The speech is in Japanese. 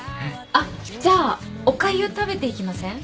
あっじゃあおかゆ食べていきません？